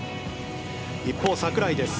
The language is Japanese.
一方、櫻井です。